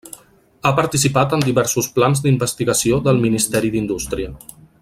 Ha participat en diversos plans d'investigació del Ministeri d'Indústria.